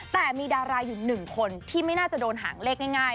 แต่มีดาราอยู่๑คนที่ไม่น่าจะโดนหางเลขง่าย